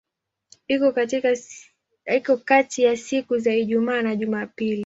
Iko kati ya siku za Ijumaa na Jumapili.